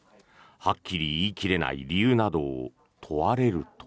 はっきり言い切れない理由などを問われると。